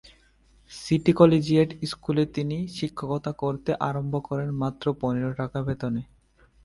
City collegiate স্কুলে তিনি শিক্ষকতা করতে আরম্ভ করেন মাত্র পনের টাকা বেতনে।